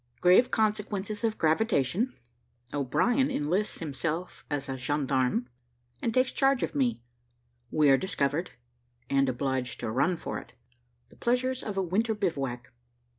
GRAVE CONSEQUENCES OF GRAVITATION O'BRIEN ENLISTS HIMSELF AS A GENDARME, AND TAKES CHARGE OF ME WE ARE DISCOVERED, AND OBLIGED TO RUN FOR IT THE PLEASURES OF A WINTER BIVOUAC.